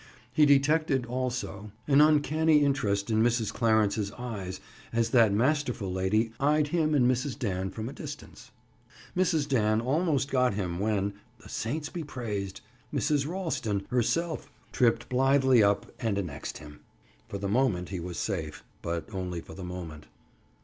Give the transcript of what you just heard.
He detected, also, an uncanny interest in Mrs. Clarence's eyes as that masterful lady eyed him and Mrs. Dan from a distance. Mrs. Dan almost got him when—the saints be praised!—Mrs. Ralston, herself, tripped blithely up and annexed him. For the moment he was safe, but only for the moment.